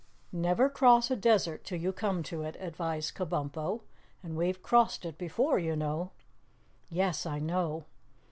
"Never cross a desert till you come to it," advised Kabumpo. "And we've crossed it before, you know." "Yes, I know."